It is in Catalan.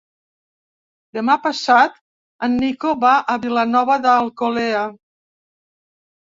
Demà passat en Nico va a Vilanova d'Alcolea.